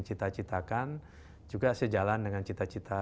cita citakan juga sejalan dengan cita cita